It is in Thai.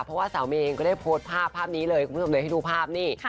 เพราะว่าสาวเมย์เองก็ได้โพสต์ภาพภาพนี้เลยคุณผู้ชมเลยให้ดูภาพนี่